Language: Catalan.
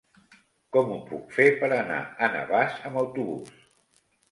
Com ho puc fer per anar a Navàs amb autobús?